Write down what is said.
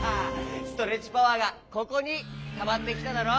ストレッチパワーがここにたまってきただろ？